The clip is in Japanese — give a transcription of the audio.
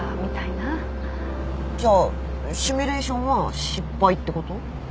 じゃあシミュレーションは失敗ってこと？